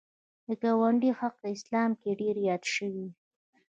د ګاونډي حق اسلام کې ډېر یاد شوی